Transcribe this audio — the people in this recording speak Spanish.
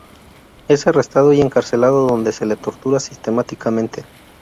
Es arrestado y encarcelado donde se le tortura sistemáticamente.